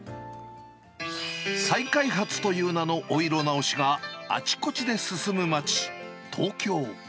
再開発という名のお色直しがあちこちで進む街、東京。